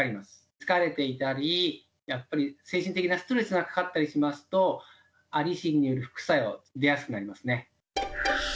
疲れていたり、やっぱり、精神的なストレスがかかったりしますと、アリシンによる副作用、出やすくなりますね。